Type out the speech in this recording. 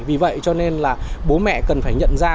vì vậy cho nên là bố mẹ cần phải nhận ra